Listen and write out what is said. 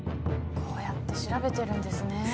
こうやって調べてるんですね。